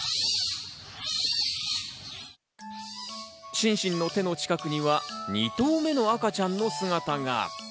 シンシンの手の近くには２頭目の赤ちゃんの姿が。